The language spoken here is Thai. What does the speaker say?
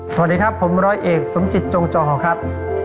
สวัสดีครับผมร้อยเอกสมจิตจงจอครับ